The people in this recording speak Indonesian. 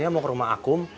aku mau ke rumah aku